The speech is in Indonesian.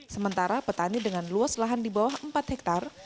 sementara petani dengan luas lahan di bawah empat hektare